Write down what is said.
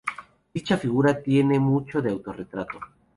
Dicha figura tiene mucho de autorretrato.